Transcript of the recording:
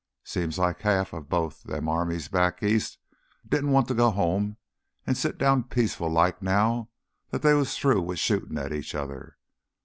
Seems like half of both them armies back east didn't want to go home an' sit down peaceful like now that they was through wi' shootin' at each other.